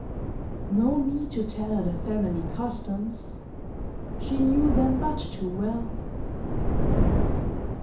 No need to tell her the family customs. She knew them but too well.